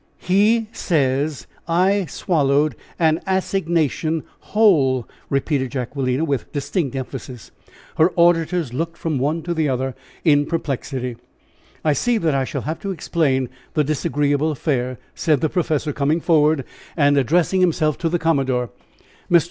"He says I swallowed an assignation whole!" repeated Jacquelina, with distinct emphasis. Her auditors looked from one to another in perplexity. "I see that I shall have to explain the disagreeable affair," said the professor, coming forward, and addressing himself to the commodore. "Mr.